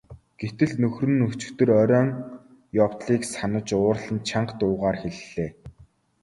Гэтэл нөхөр нь өчигдөр оройн явдлыг санаж уурлан чанга дуугаар хэллээ.